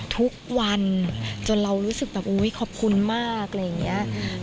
ทุกวันจนเรารู้สึกแบบอุ๊ยขอบคุณมากอะไรอย่างนี้